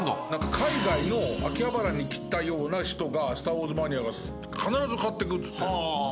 海外の秋葉原に来たような人が『スター・ウォーズ』マニアが必ず買ってくっつって。